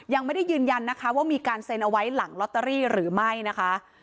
ยังไม่ได้ยืนยันนะคะว่ามีการเซ็นเอาไว้หลังลอตเตอรี่หรือไม่นะคะ